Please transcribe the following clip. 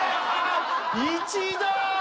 １だ！